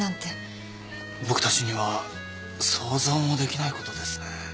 僕たちには想像もできないことですね。